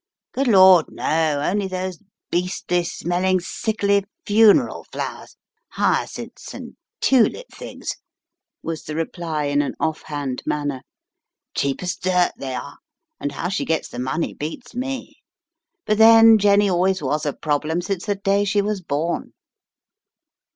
" Good lord, no, only those beastly smelling, sickly funeral flowers, hyacinths and tulip things," was the reply in an off hand manner, "cheap as dirt they are, and how she gets the money beats me. But then Jenny always was a problem since the day she was born."